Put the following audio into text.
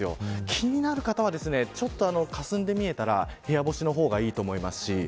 気になる方は、かすんで見えたら部屋干しの方がいいと思います。